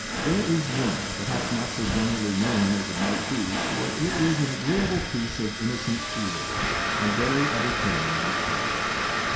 There is one, perhaps not so generally known as it might be, for it is an agreeable piece of " innocent foolery," and very en tertaining in its way.